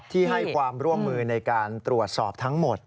ที่ให้ความร่วมมือในการตรวจสอบทั้งหมด